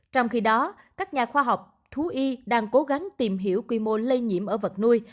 trong khi đó các nhà khoa học thú y đang cố gắng tìm hiểu quy mô lây nhiễm ở vật nuôi